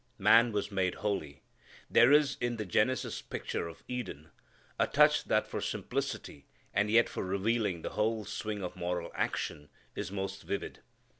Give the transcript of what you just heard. Man was made holy. There is in the Genesis picture of Eden a touch that for simplicity and yet for revealing the whole swing of moral action is most vivid.